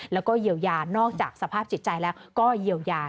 แล้วก็เยียวยานอกจากสภาพจิตใจแล้วก็เยียวยา